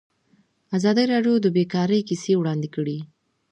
ازادي راډیو د بیکاري کیسې وړاندې کړي.